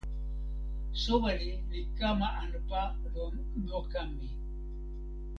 soweli li kama anpa lon noka mi.